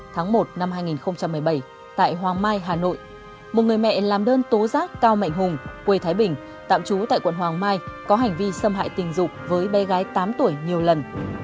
tháng một năm hai nghìn một mươi bảy tại hoàng mai hà nội một người mẹ làm đơn tố giác cao mạnh hùng quê thái bình tạm trú tại quận hoàng mai có hành vi xâm hại tình dục với bé gái tám tuổi nhiều lần